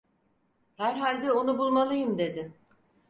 Herhalde onu bulmalıyım! dedi.